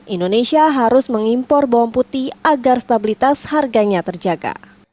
indonesia harus mengimpor bawang putih agar stabilitas harganya terjaga